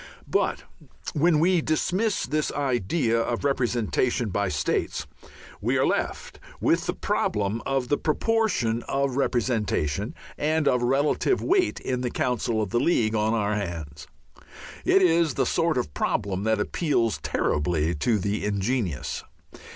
But when we dismiss this idea of representation by states, we are left with the problem of the proportion of representation and of relative weight in the Council of the League on our hands. It is the sort of problem that appeals terribly to the ingenious.